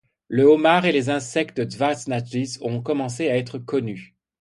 Le homard et les insectes de Tavşanadası ont commencé à être connus.